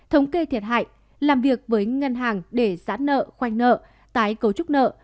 thống kê thiệt hại làm việc với ngân hàng để giãn nợ khoanh nợ tái cấu trúc nợ